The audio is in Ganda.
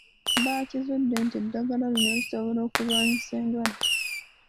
Baakizudde nti eddagala lino lisobola okulwanyisa endwadde.